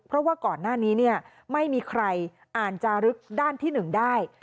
เพราะว่าก่อนหน้านี้ไม่มีใครอาจจะลึกด้านที่๑ได้